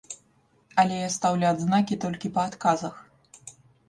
Але я стаўлю адзнакі толькі па адказах.